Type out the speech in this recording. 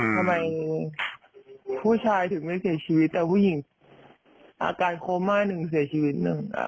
ทำไมผู้ชายถึงไม่เสียชีวิตแต่ผู้หญิงอาการโคม่าหนึ่งเสียชีวิตหนึ่ง